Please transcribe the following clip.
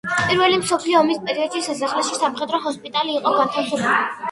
პირველი მსოფლიო ომის პერიოდში სასახლეში სამხედრო ჰოსპიტალი იყო განთავსებული.